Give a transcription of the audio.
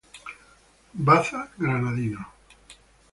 Baza granadino.